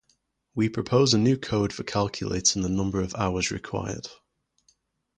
We propose a new code for calculating the number of hours required.